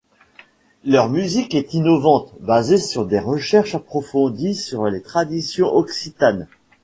Leur musique est innovante, basée sur des recherches approfondies sur les traditions occitanes.